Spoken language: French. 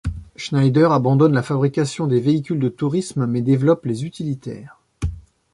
Schneider abandonne la fabrication des véhicules de tourisme mais développe les utilitaires.